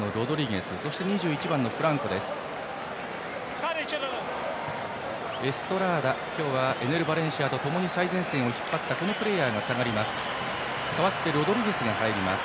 エストラーダ、今日はエネル・バレンシアと最前線を引っ張ったこのプレーヤーが下がります。